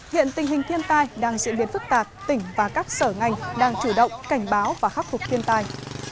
hiện tình hình thiên tai đang diễn biến phức tạp tỉnh và các sở ngành đang chủ động cảnh báo và khắc phục thiên tai